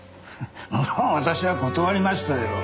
無論私は断りましたよ。